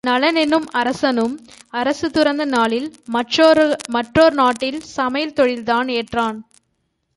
நளன் என்னும் அரசனும் அரசு துறந்த நாளில் மற்றோர் நாட்டில் சமையல் தொழில்தான் ஏற்றான்.